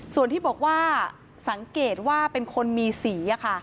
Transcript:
ส่วนที่บอกว่าสังเกตว่าเป็นคนมีสี